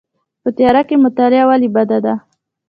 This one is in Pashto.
په تیاره کې مطالعه ولې بده ده؟